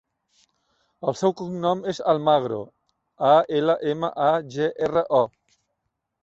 El seu cognom és Almagro: a, ela, ema, a, ge, erra, o.